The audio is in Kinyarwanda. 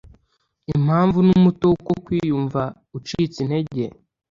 Impamvu n’Umuti w’Uko Kwiyumva Ucitse Intege